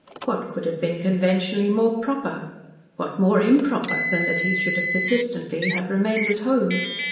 What could have been conventionally more proper what more improper than that he should have persistently have remained at home?